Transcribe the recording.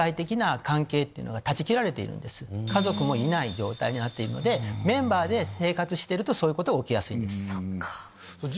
基本的に。になっているのでメンバーで生活してるとそういうことが起きやすいんです。